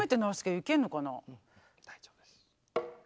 大丈夫です。